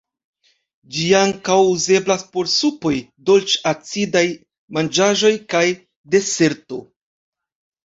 Ĝi ankaŭ uzeblas por supoj, dolĉ-acidaj manĝaĵoj kaj deserto.